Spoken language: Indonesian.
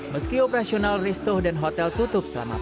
meski operasional resto dan hotel tutup selama psbb